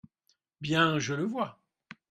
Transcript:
Bien ! je le vois…